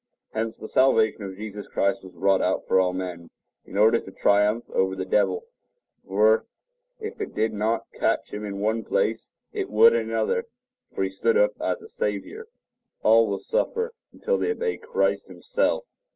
Hence the salvation of Jesus Christ was wrought out for all men, in order to triumph over the devil; for if it did not catch him in one place, it would in another; for he stood up as a Savior. All will suffer until they obey Christ himself.